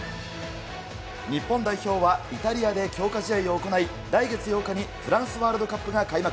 日本代表はイタリアで強化試合を行い、来月８日にフランスワールドカップが開幕。